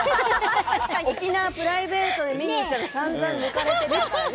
沖縄にプライベートで見に行ったらさんざん抜かれたね。